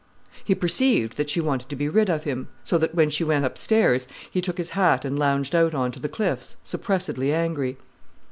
He perceived that she wanted to be rid of him, so that when she went upstairs, he took his hat and lounged out on to the cliffs, suppressedly angry.